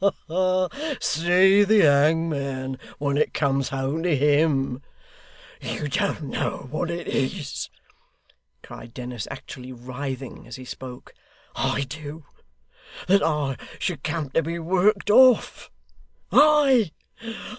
'Ha, ha, ha! See the hangman, when it comes home to him!' 'You don't know what it is,' cried Dennis, actually writhing as he spoke: 'I do. That I should come to be worked off! I!